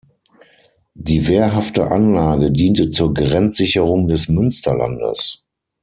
Die wehrhafte Anlage diente zur Grenzsicherung des Münsterlandes.